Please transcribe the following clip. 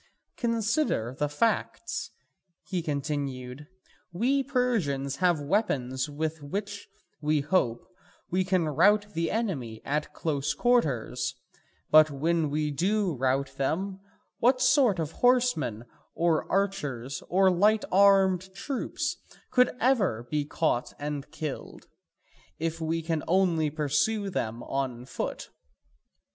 Consider the facts," he continued, "we Persians have weapons with which, we hope, we can rout the enemy at close quarters: but when we do rout them, what sort of horsemen or archers or light armed troops could ever be caught and killed, if we can only pursue them on foot?